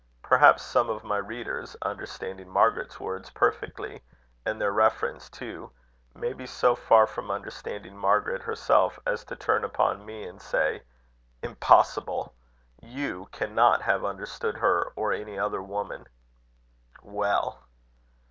Perhaps some of my readers, understanding Margaret's words perfectly, and their reference too, may be so far from understanding Margaret herself, as to turn upon me and say: "Impossible! You cannot have understood her or any other woman." Well!